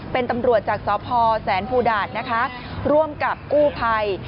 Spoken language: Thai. เป็นตำรวจจากสพแสนภูดาตนะคะร่วมกับกู้ภัย